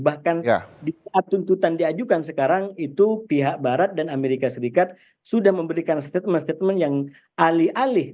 bahkan di saat tuntutan diajukan sekarang itu pihak barat dan amerika serikat sudah memberikan statement statement yang alih alih